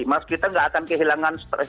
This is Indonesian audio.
mas kita nggak akan kehilangan